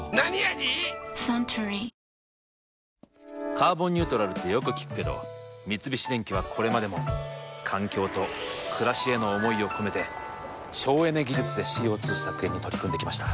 「カーボンニュートラル」ってよく聞くけど三菱電機はこれまでも環境と暮らしへの思いを込めて省エネ技術でＣＯ２削減に取り組んできました。